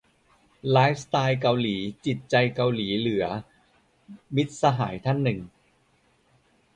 "ไลฟ์สไตล์เกาหลีใต้ จิตใจเกาหลีเหลือ" - มิตรสหายท่านหนึ่ง